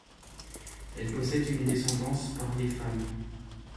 Elle possède une descendance par les femmes.